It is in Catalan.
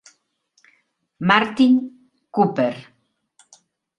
Martin Cooper: